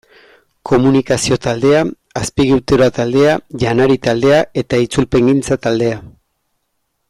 Komunikazio taldea, Azpiegitura taldea, Janari taldea eta Itzulpengintza taldea.